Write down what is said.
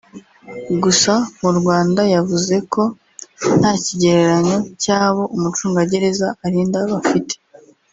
Gusa mu Rwanda yavuze ko nta kigereranyo cy’abo umucungagereza arinda bafite